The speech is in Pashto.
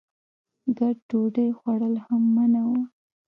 ګډ ډوډۍ خوړل هم منع وو.